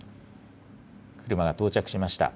車が到着しました。